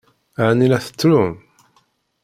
Ɛni la tettrum?